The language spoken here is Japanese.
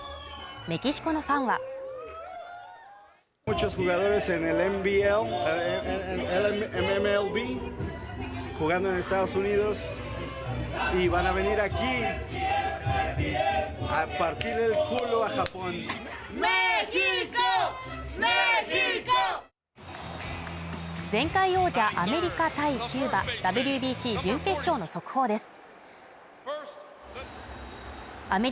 メキシコのファンは前回王者アメリカ対キューバＷＢＣ準決勝の速報です。